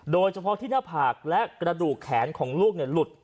โดยเฉพาะที่หน้าผากและกระดูกแขนของลูกหลุด